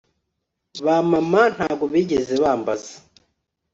ba mama ntago bigeze bambaza